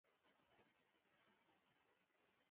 د درد اوسوي سندرې